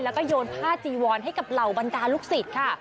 แล้วก็โยนผ้าจีวอนให้กับเหล่าบรรดาลูกศิษย์ค่ะ